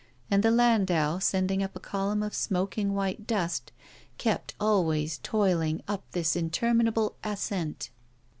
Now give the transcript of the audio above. And the landau, sending up a column of smoking white dust, kept always toiling up this interminable ascent.